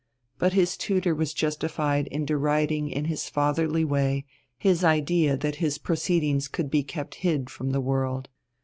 But his tutor was justified in deriding in his fatherly way his idea that his proceedings could be kept hid from the world.